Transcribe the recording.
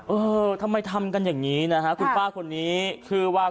เออทำไมทำกันอย่างนี้นะฮะคุณป้าคนนี้คือว่า